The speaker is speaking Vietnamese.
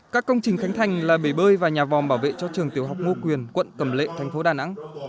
các công trình khánh thành là bể bơi và nhà vòm bảo vệ cho trường tiểu học ngô quyền quận cẩm lệ thành phố đà nẵng